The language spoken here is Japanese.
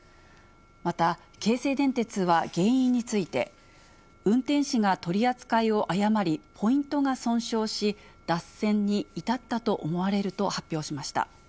また、京成電鉄は原因について、運転士が取り扱いを誤り、ポイントが損傷し、脱線に至ったと思われると発表しました。